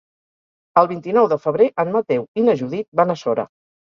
El vint-i-nou de febrer en Mateu i na Judit van a Sora.